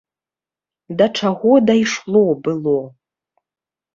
Да чаго дайшло было.